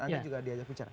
anda juga diajak bicara